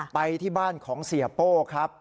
ไปที่บ้านของเสียโป้ครับ